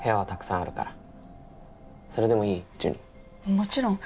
もちろん。